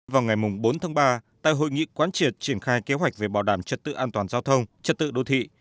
vào ngày bốn tháng ba tại hội nghị quán triệt triển khai kế hoạch về bảo đảm trật tự an toàn giao thông trật tự đô thị